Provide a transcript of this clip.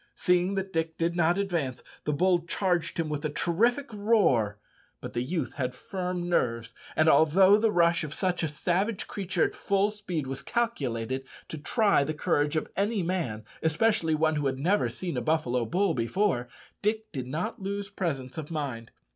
Seeing that Dick did not advance, the bull charged him with a terrific roar; but the youth had firm nerves, and although the rush of such a savage creature at full speed was calculated to try the courage of any man, especially one who had never seen a buffalo bull before, Dick did not lose presence of mind.